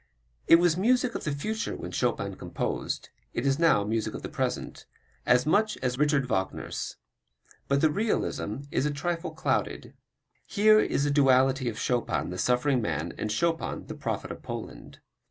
It was music of the future when Chopin composed; it is now music of the present, as much as Richard Wagner's. But the realism is a trifle clouded. Here is the duality of Chopin the suffering man and Chopin the prophet of Poland.